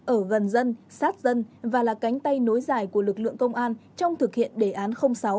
ở gần dân sát dân và là cánh tay nối dài của lực lượng công an trong thực hiện đề án sáu